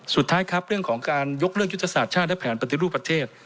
สุดท้ายครับเรื่องของการยกเลิกยุทธศาสตร์ชาติและแผนปฏิรูปประเทศ